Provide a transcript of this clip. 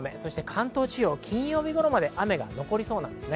関東地方、金曜日頃まで雨が残りそうです。